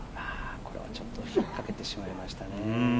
これはちょっと引っかけてしまいましたね。